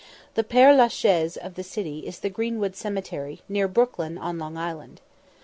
The Père la Chaise of the city is the Greenwood Cemetery, near Brooklyn on Long Island.